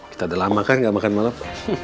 kita udah lama kan gak makan malam